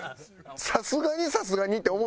さすがにさすがにって思ったでしょ？